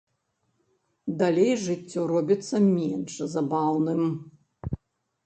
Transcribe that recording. Далей жыццё робіцца менш забаўным.